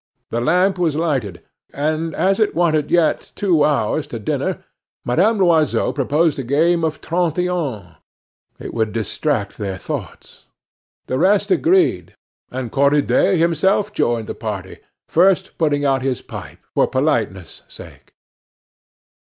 The lamp was lighted, and as it wanted yet two hours to dinner Madame Loiseau proposed a game of trente et un. It would distract their thoughts. The rest agreed, and Cornudet himself joined the party, first putting out his pipe for politeness' sake.